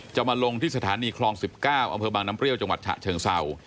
จะมาลงที่สถานีคลอง๑๙อำเภอบางน้ำเปรี้ยวจังหวัดฉะเชิงเศร้า